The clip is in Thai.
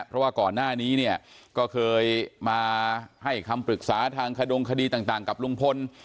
เพราะว่าก่อนหน้านี้เนี่ยก็เคยมาให้คำปรึกษาทางขดงคดีต่างกับลุงพล